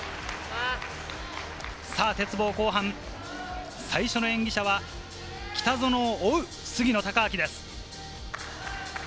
鉄棒後半、最初の演技者は北園を追う杉野正尭です。